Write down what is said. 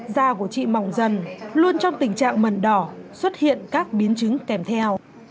da của chị mỏng dần luôn trong tình trạng mần đỏ xuất hiện các biến chứng kèm theo